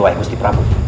wai gusti prabu